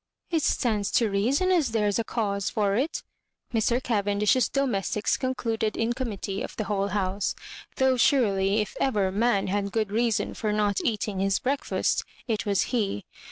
" It stands to reason as there's a cause for it," Mr. Cavendish's domestics con cluded in committee of the whole house; though, surely, if ever man had good reason for not eating his breakfast, it was he.